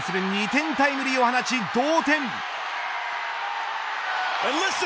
２点タイムリーを放ち、同点。